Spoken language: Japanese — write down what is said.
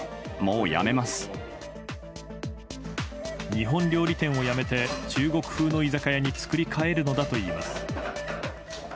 日本料理店をやめて中国風の居酒屋に作り替えるのだといいます。